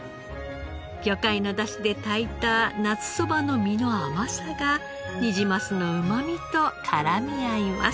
魚介のダシで炊いた夏そばの実の甘さがニジマスのうまみと絡み合います。